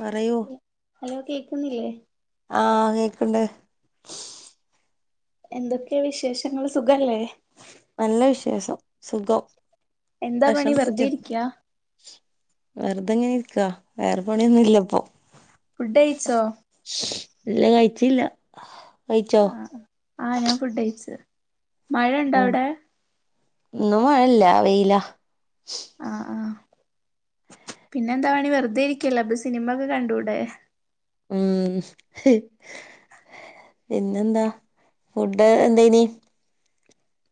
പറ യൂ ഹലോ കേക്കുന്നില്ലേ ആഹ് കേക്കണ്ട് എന്തൊക്കെയ വിശേഷങ്ങള് സുഖല്ലേ നല്ല വിശേസം സുഖം എന്താ പണി ഭക്ഷണം വെറുതെ കഴിച്ചോ ഇരിക്ക വെറുതെങ്ങനെര്ക്കാ വേറെ പണിയൊന്നുംല്ലപ്പൊ ഫുഡ്ഡയിച്ചോ ഇല്ല കഴിച്ചില്ല കയ്ച്ചോ ആഹ് ആഹ് ഞാൻ ഫുഡയ്ച്ച് മഴണ്ടോ അവിടെ ന്നും മഴല്ല വെയില ആഹ് ആഹ് പിന്നെന്താ പണി, വെറുതെ ഇരിക്കല്ലോ അപ്പൊ സിനിമക്കെ കണ്ടൂടെ ഉം പിന്നെന്താ ഫുഡ് എന്തേനി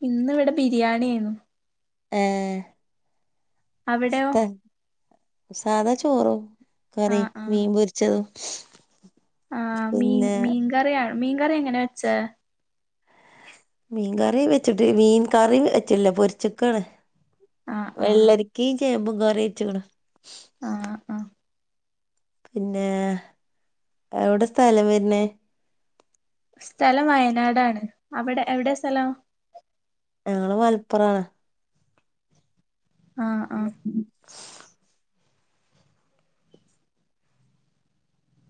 ഇന്ന് വിടെ ബിരിയാണി ഏന്നു ഏഹ് അവിടെയോ സ്ഥ സാധാ ചോറും കറി ആഹ് ആഹ് മീൻ പൊരിച്ചതും ആഹ് മീൻ പിന്നെ മീൻകറിയാണ്, മീൻകറി എങ്ങനെ വെച്ച മീൻ കറി വെച്ച്ട്ട് മീൻ കറി വി വെച്ചട്ട്ല്ല, പൊര്ച്ചക്കാണ് ആഹ് ആഹ് വെള്ളരിക്കിം ചേമ്പും കറിച്ച്ക്ക്‌ണ് ആഹ് അ പിന്നെ എവിടെ സ്ഥലം വര്നെ സ്ഥലം വയനാടാണ് അവിടെ എവിടെ സ്ഥലം ഞങ്ങള് മലപ്പുറാണ് ആഹ് ഉ ആഹ്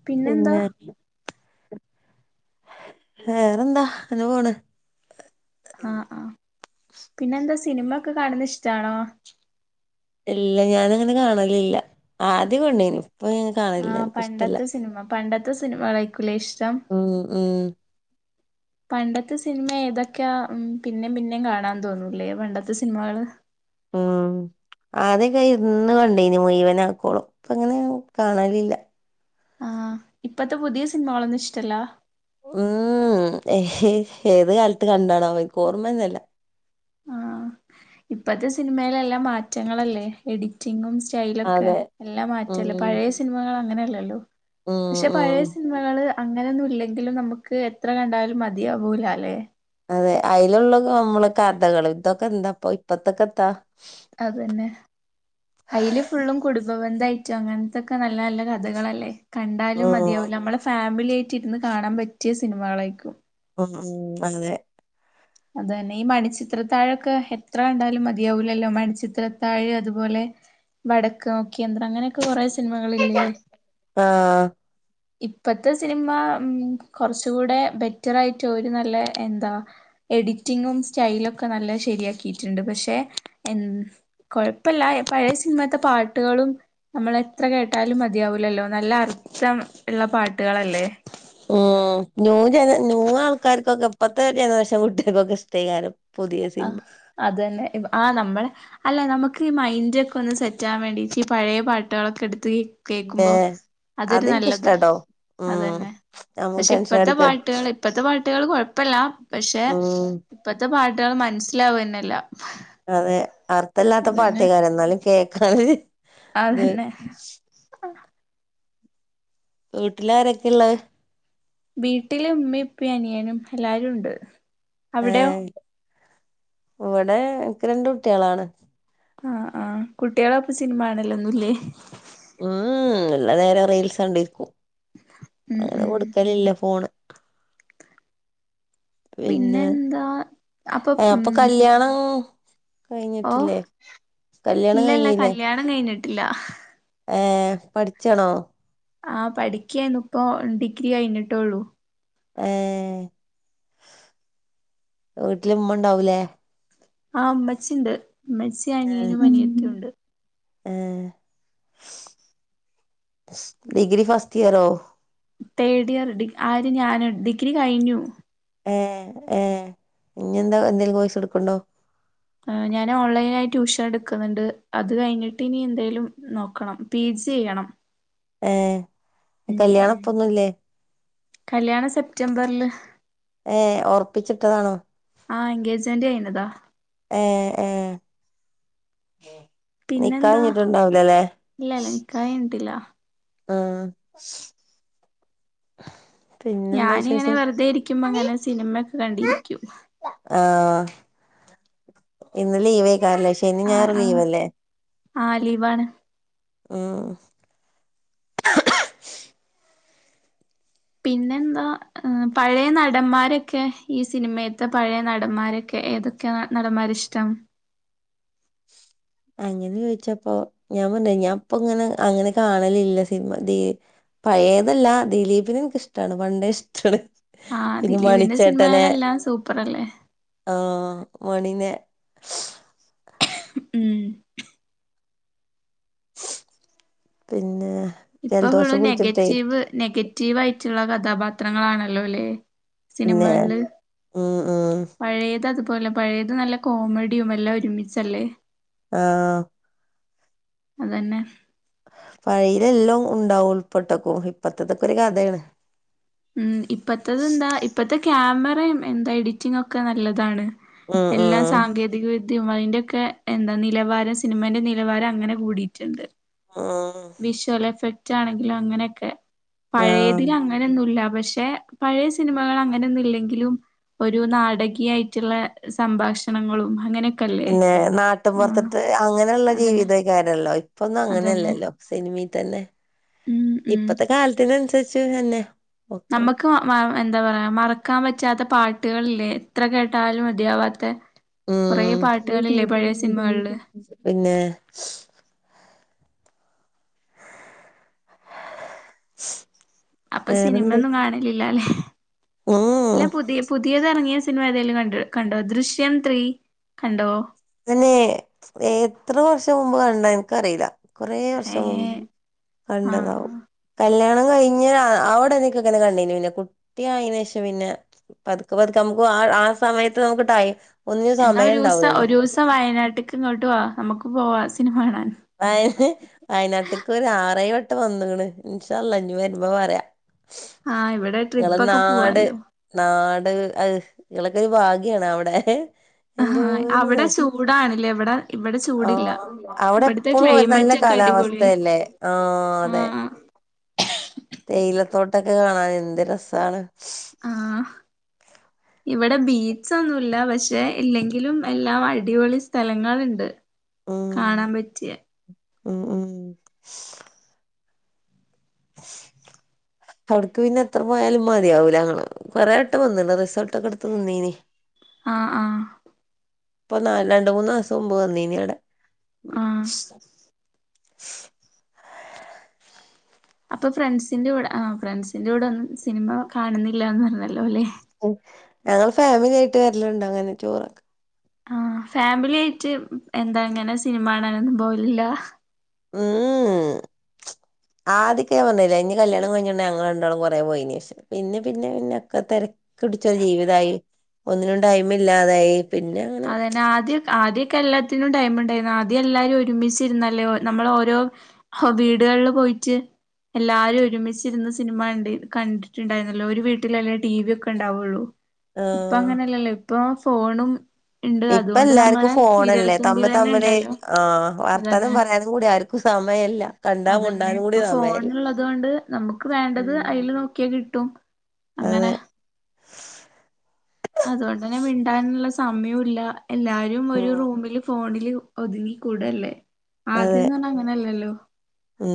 പിന്നെന്താ പിന്നെ വേറെന്താ ങ്ങനെ പോണ് ആഹ് ആഹ് പിന്നെന്താ സിനിമക്കെ കാണുന്നത് ഇഷ്ടാണോ ഇല്ല ഞാനങ്ങനെ കാണലില്ല ആദ്യംകൊണ്ടീനു, പ്പ ഇങ്ങനെ കാണലില്ല ആഹ് ൻക്ക്ഷ്ടല്ല പണ്ടത്തെ സിനിമ പണ്ടത്തെ സിനിമകളായിക്കൂലേ ഇഷ്ടം ഉം ഉം പണ്ടത്തെ സിൻമ ഏതൊക്കെയാ ഉം പിന്നേം പിന്നേം കാണാന്തോന്നൂലേ പണ്ടത്തെ സിനിമകള് ഉം ആദ്യക്കെ ഇരുന്ന് കണ്ടേനി മുഴവന ക്കോളു ഇപ്പങ്ങനെ കാണലില്ല ആഹ് ഇപ്പത്തെ പുതിയ സിനിമാളൊന്നും ഇഷ്ടല്ല ഹ്മ്മ് [inaudible] ഏത് കാലത്ത് കണ്ടാണാവോ ഇന്ക്ക് ഓർമ്മന്നല്ല ആഹ് ഇപ്പത്തെ സിനിമയിലെല്ലാം മാറ്റങ്ങളല്ലേ എഡിറ്റിങ്ങും സ്റ്റൈലൊക്കെ അതെ എല്ലാം മാറ്റല്ലേ പഴയെ സിനിമകളങ്ങനെയല്ലല്ലോ ഹ്മ്മ് ഹ്മ്മ് മകള് അങ്ങനൊന്നും ഇല്ലെങ്കിലും നമുക്ക് എത്ര കണ്ടാലും മതിയാവൂല ല്ലെ അതെ അയിലുള്ള നമ്മളെ കഥകള് ഇതൊക്കെ എന്താ ഇപ്പൊ ഇപ്പത്തൊക്കെ എത്താ അതന്നെ അയില് ഫുള്ളും കുടുംബബന്ധയിട്ടും അങ്ങൻത്തൊക്കെ നല്ല നല്ല കഥകളല്ലേ കണ്ടാലും ഉം മതിയാകൂല്ല നമ്മളെ ഫാമിലിയായിട്ട് ഇരുന്ന് കാണാൻ പറ്റിയ സിനിമകളായിരിക്കും ഓഹ് ഹ്മ്മ് അതെ. അത്തന്നെ ഈ മണചിത്രത്താഴൊക്കെ എത്ര കണ്ടാലും മതിയാവൂലല്ലോ മണിച്ചിത്രത്താഴ് അതുപോലെ വടക്ക് നോക്കി യന്ത്രം അങ്ങനൊക്കെ കൊറെ സിനിമകളില്ലേ ആഹ് ഇപ്പത്തെ സിനിമ ഹ്മ്മ് കൊറച്ചുടെ ബെറ്ററായിട്ട് ഒര് നല്ലെ എന്താ എഡിറ്റിങ്ങും സ്റ്റൈലൊക്കെ നല്ല ശെരിയാക്കിട്ട്ണ്ട് പക്ഷെ എൻ കൊഴപ്പല്ല പഴയെ സിനിമേത്തെ പാട്ടുകളും നമ്മളെത്ര കേട്ടാലും മതിയാവൂലല്ലോ നല്ല അർത്ഥം ഇള്ള പാട്ടുകളല്ലേ ഹ്മ്മ് ന്യൂ ജന ന്യൂ ആൾക്കാർക്കൊക്കെ ഇപ്പഴത്തെ ജനറേഷൻ കുട്ടിയേൾക്കൊക്കെ ഇഷ്ട്ടേക്കാരും ആഹ് അതന്നെ ആഹ് നമ്മളെ അല്ല നമുക്ക് ഈ മൈൻഡോക്കെ ഒന്ന് സെറ്റാവാൻ വേണ്ടിട്ട് ഈ പഴയ പാട്ടുകളൊക്കെ എടുത്ത് പിന്നെ കേക്കുമ്പോ അതൊരു നല്ലത് അതെനിക്കിഷ്ടാട്ടോ ഉം അതന്നെ നമുക്ക് പക്ഷെ ടെൻഷൻ ഇപ്പത്തെ അടിക്ക പാട്ടുകള് ഇപ്പത്തെ പാട്ടുകള് കൊഴപ്പല്ല പക്ഷെ ഉം ഇപ്പത്തെ പാട്ടുകള് മനസ്സിലാവന്നെല്ല അതെ അർഥല്ലാത്ത പാട്ടേക്കാരം ഇന്നാലും കേക്കാന് ഒര്ത്. അതന്നെ വീട്ടിലാരൊക്കെയ്ള്ളെ വീട്ടില് ഇമ്മി ഇപ്പിമ് അനിയനും എല്ലാരുണ്ട്. അവിടെയോ ഇവടെ എനിക്ക് രണ്ട് കുട്ടിയേളാണ്. ആഹ് ആഹ് കുട്ടിയളപ്പം സിനിമ കാണല്ലോന്നുംല്ലേ ഹ്മ്മ് ഹ്മ്മ് ഇല്ല നേരം റീൽസണ്ടിരിക്കും ഉം അങ്ങനെ ഉം കൊടുക്കലില്ല ഫോണ് [inaudible] പിന്നെ പിന്നെന്താ അപ്പൊ ഏഹ് ഉം അപ്പ കല്യാണോ ഓ കഴിഞ്ഞ്ട്ടില്ലേ കല്യാണം കഴിഞ്ഞില്ലേ ല്യാണം കഴ്ഞ്ഞിട്ടില്ല. ഏഹ് പഠിച്ചാണോ ആഹ് പഠിക്കാണ് ഇപ്പൊ ഡിഗ്രി കഴ്ഞ്ഞിട്ടൊള്ളൂ. ഏഹ്, വീട്ട്ല് ഇമ്മണ്ടാവൂലേ ആഹ് ഇമ്മച്ചിണ്ട് ഇമ്മച്ചി ഏഹ് അനിയനും അനിയത്തിയുണ്ട്. ഏഹ് [inaudible] ഡിഗ്രി ഫസ്റ്റിയറോ തേർഡിയർ ഡി ആര് ഞാനോ ഡിഗ്രി കഴിഞ്ഞു ഏഹ് ഏഹ് ഇനിന്താ എന്തെങ്കിലും കോയ്സെടുക്ക്ണ്ടോ ഞാന് ഓൺലൈനായി ട്യൂഷനെടുക്കുന്നുണ്ട് അത് കഴിഞ്ഞിട്ട് ഇനി എന്തേലും നോക്കണം പി ജി ചെയ്യണം ഏഹ് ഉം കല്യാണം ഉം ഇപ്പൊന്നുല്ലേ കല്യാണം സെപ്റ്റംബറില് ഏഹ് ഒറപ്പിച്ചിട്ടതാണോ ആഹ് എൻഗേജ്മെന്റ് കഴിഞ്ഞതാ ഏ ഏ ഉം നിക്കാഹ്‌ [unintelligible] തുണ്ടാവുലല്ലേ കാഴ്‌ ഞ്ഞ്ട്ട്ല്ലാ ആഹ് പിന്നെന്താ ഞാനിങ്ങനെ വിശേഷം വെറ്തേ ഇരിക്കുമ്പങ്ങനെ സിനിമക്കെ കണ്ടിരിക്കും ആഹ് ഇന്ന് ലീവേക്കാരം ല്ലേ ശനി ആഹ് ഞായറും ആഹ് ലീവല്ലേ ആഹ് ലീവാണ് ആഹ് പിന്നെന്താ പഴേ നടമ്മാരൊക്കെ ഈ സിനിമേത്തെ പഴേ നടന്മാരൊക്കെ ഏതൊ ക്കെ നടമ്മാരെ ഇഷ്ടം അങ്ങനെ ചോയ്ച്ചപ്പോ ഞാൻ പർഞ്ഞ്ലെ ഞാൻ ഇപ്പ ഇങ്ങനെ അങ്ങനെ കാണലില്ല സിനിമ ദി പഴേതല്ല ദിലീപിനെ ഇൻക്ക്ഷ്ടാണ് പണ്ടേ ഇഷ്ടാണ് ആഹ് പിന്നെ ദിലീപിന്റെ മണിച്ചേട്ടനെ സിൻമെളെല്ലാം സൂപ്പറല്ലേ ആഹ് മണിനെ ഉം പിന്നേ ഇപ്പൊ ഫുള്ളും നെഗറ്റീവ് നെഗറ്റീവ് ആയിറ്റ്ള്ള കഥാപാത്രങ്ങളാണല്ലോല്ലെ പിന്നെ സിനിമേൾള് ഉം ഉം പഴേത് അതുപോലെ പഴേത് നല്ല കോമഡ്യും എല്ലാം ഒരുമിച്ചല്ലേ ആഹ് അതന്നെ പഴീലെല്ലം ഉണ്ടാവും ഉൾപ്പെട്ടക്കും ഇപ്പത്തതൊക്കെ ഒരു കഥേണ് ഉം ഇപ്പത്തെത് എന്താ ഇപ്പയ്ത്തെ ക്യാമറയും എന്താ എഡിറ്റിംങ്ങ് ഒക്കെ നല്ലതാണ് ഉം എല്ലാം ഉം സാങ്കേതിക വി ദ്യിം അയ്‌ന്റൊക്കെ എന്താ നിലവാരം സിനിമന്റെ നിലവാരം അങ്ങനെ കൂടിയിറ്റ്ണ്ട് ആഹ് വിഷ്വൽ എഫക്റ്റ് ആണെങ്കിലും അങ്ങനെക്കെ ആഹ് പഴേതിനെ അങ്ങ ങ്ങനൊന്നുല്ല പക്ഷെ പഴേ സിനിമകൾ അങ്ങനെയൊന്നും ഇല്ലെങ്കിലും ഒരു നാടകീയായ്റ്റ്ള്ളെ സംഭാഷണങ്ങളും അങ്ങനെ പിന്നെ നാട്ടും പൊർത്ത്ത്ത് അങ്ങനെയുള്ള അതന്നെ ജീവിതെയ്ക്കാരല്ലോ ഇപ്പൊന്നും അതന്നെ അങ്ങനെയല്ലല്ലോ സിനിമീതന്നെ ഉം ഉം ഇപ്പത്തെ കാലത്തിനൻസരിച്ച് തന്നെ ഒക്കെ നമ്മക്ക് ആ മാ എന്താ പറയാ മറക്കാൻ പറ്റാത്ത പാട്ട്കളില്ലേ എത്ര കേട്ടാലും മതിയാവാത്തെ കൊറെ പാട്ടുകളില്ലേ പഴേ സിനിമകൾള് പിന്നേ [inaudible] അപ്പൊ വേറെന്ത് സിനിമയൊന്നും കാണലില്ല അല്ലേ ഉം അല്ല പുതിയ പുതിയത് എറങ്ങിയ സിൻമെതേലും കണ്ട് കണ്ടോ ദൃശ്യം ത്രീ കണ്ടോ തന്നേ എത്ര വർഷം മുമ്പ് കണ്ടാ ഇൻക്കറീല്ല കൊറേ ഏ വർഷം മുമ്പ് ആ ആ കണ്ടതാവും കല്യാണം കഴിഞ്ഞ് ഒരാ ആ ഉടനെക്കെങ്ങനെ കണ്ടീനി പിന്നെ കുട്ടി ആയീനേഷം പിന്നെ പത്ക്കെ പത്ക്കെ നമുക്ക് ആ ആ സമയത്ത് നമുക്ക് ടൈ ഒന്ന്നും സമയം ഇണ്ടാവുലല്ലോ ത്ത വയനാട്ട്ക്ക് ഇങ്ങോട്ട് വാ നമുക്ക് പോവാ സിനിമ കാണാൻ ഏഹ് ഹ് വയനാട്ടേക്ക് ഒരു ആറ് ഏഴ് വട്ടം വന്നക്ക്ണ് ഇൻശാ അല്ലാഹ് ഇനി വരുമ്പോ വരാ ആഹ് ഇവിടെ ഞങ്ങളെ ട്രിപ്പൊക്കെ നാട് പോവാലോ നാട് ഇങ്ങളൊക്കെ ഒരു ഭാഗ്യാണ് അവിടെ എന്തോ ആഹ് അവിടെ ചൂടാണ്ല്ലേ ഇവിടെ ഇവിടെ ചൂടില്ല ആഹ് അവിടെ ഇവിടുത്തെ എപ്പോഴും നല്ല ക്ലൈമറ്റ് ഒക്കെ അടിപൊളിയാ കാലാവസ്ഥയല്ലേ ആഹ് അതെ ആഹ് തേയിലത്തോട്ടൊക്കെ കാണാൻ എന്ത് രസമാണ് ആഹ് ഇവിടെ ബീചൊന്നുല്ല പക്ഷെ ഇല്ലെങ്കിലും എല്ലാം അടിപൊളി സ്ഥലങ്ങളുണ്ട് ഉം കാണാൻ പറ്റിയ ഉം ഉം അവിടക്ക് പിന്നെ എത്ര പോയാലും മതിയാവൂല ന്ന് തോന്ന് കൊറേ വട്ടം വന്ന് ണ് റിസോൾട്ട് ഒക്കെ എടുത്ത് നിന്നീനി ആഹ് ആഹ് ഇപ്പൊ ന രണ്ട് മൂന്ന് ദിവസം മുമ്പ് വന്നീനി അവിടെ ആഹ് അപ്പൊ ഫ്രണ്ട്സിന്റെറെ കൂടെ ആഹ് ഫ്രണ്ട്സിന്റെ കൂടെ ഒന്നും സിനിമ കാണുന്നില്ലന്ന് പറഞ്ഞല്ലോ അല്ലെ ഞങ്ങൾ ഫാമിലി ആയിട്ട് വരലുണ്ട് അങ്ങനെ ടൂറൊക്കെ ആഹ് ഫാമിലി ആയിട്ട് എന്താ അങ്ങനെ സിനിമ കാണാനൊന്നും പോവലില്ല മ്മ് ആദ്യാക്കെ ഞാൻ പറഞ്ഞില്ലേ ഇനി കല്യാണം കഴിഞ്ഞുണ്ട ഞങ്ങൾ രണ്ടാളും കൊറേ പോയിന് ശേഷം പിന്നെ പിന്നെ പിന്ന ഒക്കെ തിരക്കി പിടിച്ച ജീവിതമായി ഒന്നിനും ടൈമ ഇല്ലാതായി അതന്നെ ആദ്യം ആദ്യമൊക്കെ എല്ലാത്തിനും ടൈമ ഉണ്ടായിരുന്നു ആദ്യം എല്ലാരും ഒരുമിച്ചിരുന്നല്ലേ നമ്മള ഓരോ ആഹ് വീടുകളില് പോയിട്ട് എല്ലാരും ഒരുമിച്ചിരുന്ന് സിനിമ കണ്ട കണ്ടിട്ടുണ്ടായിരുന്നല്ലോ ഒരു വീട്ടിലല്ലേ ടി വി ഒക്കെ ഉണ്ടാവുള്ളൂ ഇപ്പ ആഹ് അങ്ങനല്ലല്ലോ ഇപ്പൊ ഫോണും ഉണ്ട് ഇപ്പ അതുകൊണ്ട് എല്ലാർക്കും നമ്മളെ ഫോണല്ലേ വിരൽത്തുമ്പിൽ തമ്മി തന്നെ തമ്മില് ഉണ്ടല്ലോ ആഹ് വർത്താനം അതന്നെ പറയാനും കൂടി ആർക്കും സമയല്ല കണ്ടാ അതാണ് മുണ്ടാനും കൂടി ഇപ്പൊ സമയല്ല ഫോണള്ളത് കൊണ്ട് നമുക്ക് വേണ്ടത് ഉം അതിൽ നോക്കിയാ കിട്ടി ട്ടും അങ്ങനെ അതെ അതുകൊണ്ട് തന്നെ വിണ്ടാനുള്ള സമയവും ഇല്ല എല്ലാരും ഒരു ഉം റൂമില് ഫോണില് ഒതുങ്ങി കൂടല്ലേ ആദ്യംന്നും പറഞ്ഞാ അങ്ങനെല്ലല്ലോ ആ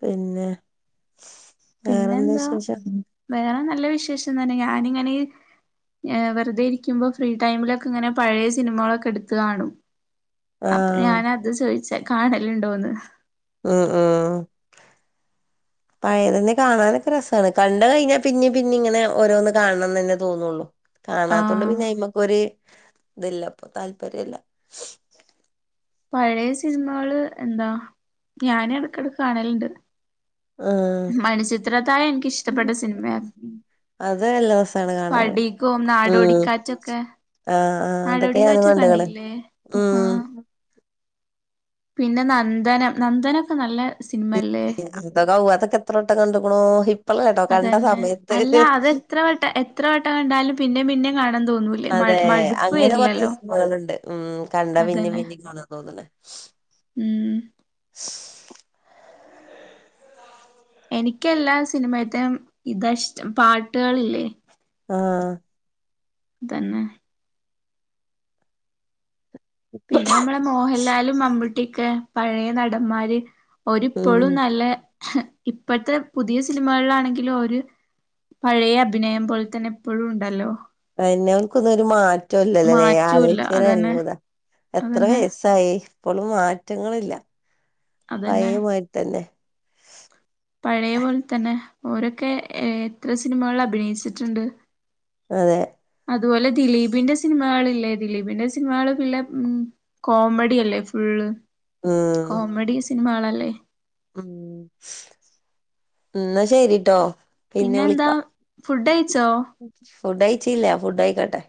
പിന്നെ വേറെന്താ പിന്നെന്താ വിശേഷം വേറെ നല്ല വിശേഷം തന്നെ ഞാനിങ്ങനെ വെറുതെ ഇരിക്കുമ്പോ ഫ്രീടൈമിലൊക്കെ ഇങ്ങനെ പഴയ സിനിമകളൊക്കെ എടുത്ത് കാണും അപ്പൊ ആഹ് ഞാാനത് ചോയിച്ച കാണലുണ്ടോന്ന് ഉം ഉം ആ പിന്നെ കാണാനൊക്കെ രസമാണ് കണ്ട കഴിഞ്ഞാൽ പിന്നെ പിന്നെ ഇങ്ങനെ ഓരോന്ന് കാണണംന്ന് തന്നെ തോന്നള്ളു കാണാത്തൊണ്ട് ആഹ് പിന്നെൈമക്കൊരു ഇത് ല്ല ഇപ്പൊ താല്പര്യല്ല പഴയ സിനിമകള് എന്താ ഞാന ഇടക്കിടക്ക് കാണലുണ്ട് ഉം മണചിത്രതാ യം എനിക്ക് ഇഷ്ടപ്പെട്ട സിനിമയ അത് നല്ല രസാണ് കാണാന് സ്പടികോം ഉം നാടോടിക്കാറ്റൊക്കെ ആഹ് ആഹ് അതൊക്കെ നാടോടി ഞാനും കാറ്റ് കണ്ട്ക്ക്ണ് കണ്ടില്ലേ ആഹ് ഉം പിന്നെ നന്ദനം നന്ദനൊക്കെ നല്ലെ സിനിമല്ലേ [unintelligible] അതൊക്കെ എത്ര വട്ടം കണ്ട്ക്ക്ണോ അതന്നെ അല്ലാ അത് എത്ര വട്ടെ എത്ര വട്ടം കണ്ടാലും പിന്നേം പിന്നേം കാണാൻ തോന്നൂല്ലേ അതെ അങ്ങനെ കൊറച്ച് സിനിമകള്ണ്ട് ഉം കണ്ടാ പിന്നേം അതന്നെ പിന്നേം കാണാ തോന്ന്ണെ ഉം എനിക്ക്യെല്ലാ സിനിമേല്ത്തേ ഇതാ ഇഷ്ടം പാട്ട്കളില്ലേ ആഹ് തന്നെ പിന്നെ അമ്മളെ മോഹൻലാലും മമ്മൂട്ടിയക്കെ പഴയെ നടന്മാര് ഓര് ഉം ഇപ്പളും നല്ലെ ഇപ്പഴത്തെ പുതിയ സിനിമകള്ലാണെങ്കിലും ഓര് പഴയ അഭിനയം പോല്തന്നെ ഇപ്പഴുണ്ടല്ലോ അതെന്നെ അവല്ക്ക്ന്നൊരു മാ റ്റവും ഇല്ലല്ലോല്ലേ മാറ്റൂല്ല ആലോച്ച്ണേ അതന്നെ അത്ഭുതാ എത്രെ അതന്നെ വയസ്സായി ഇപ്പളും മാറ്റങ്ങളില്ല അതന്നെ പഴേമാരി തന്നെ പഴേ പോല്തന്നെ ഓരൊക്കെ ഏഹ് എത്ര സിനിമകള്ല് അഭിനയിച്ചിട്ട്ണ്ട് അതെ അതുപോലെ ദിലീപിന്റെ സിനിമകള്ല്ലേ ദിലീപിന്റെ സിനിമകള് പിള്ളെ ഉം കോമഡി അല്ലേ ഫുള്ള് ഉം കോമഡി സിനിമകാണാല്ലേ ഉം എന്നാ ശരിട്ടോ പിന്നെ എന്താ ഫുഡഴിച്ചോ ഫുഡയിച്ചീല്ലാ ഫുഡയിക്കട്ടെ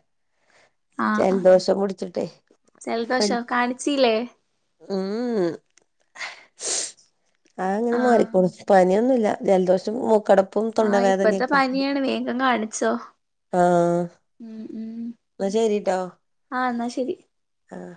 ആഹ് ആഹ് ജലദോഷം പുട്ച്ചിട്ടേ ഫ്രൻ സിലേ ഉം ആഹ് അങ്ങനെ മാറിക്കോളും പനിയൊന്നുല്ല ജലദോഷം മൂക്കട പ്പും തൊണ്ട ആഹ് ഇപ്പത്തെ വേദനെക്കെണ്ട് പനിയാണ് വേഗം കാണിച്ചോ ആഹ് ഉം ഉം ന്നാ ശരിട്ടോ ആഹ് എന്നാ ശരി ആഹ്